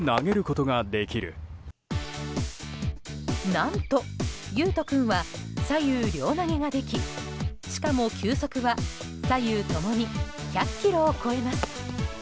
何と、悠翔君は左右両投げができしかも、球速は左右ともに１００キロを超えます。